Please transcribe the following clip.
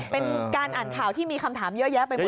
เป็นการอ่านข่าวที่มีคำถามเยอะแยะไปหมด